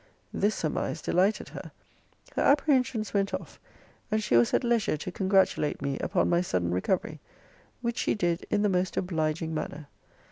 This surmise delighted her. Her apprehensions went off, and she was at leisure to congratulate me upon my sudden recovery; which she did in the most obliging manner.